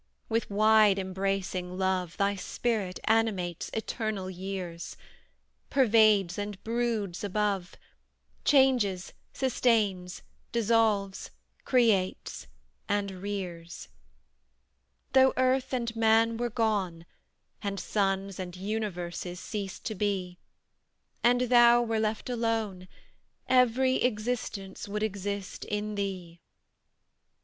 With wide embracing love Thy spirit animates eternal years, Pervades and broods above, Changes, sustains, dissolves, creates, and rears. Though earth and man were gone, And suns and universes ceased to be, And Thou were left alone, Every existence would exist in Thee.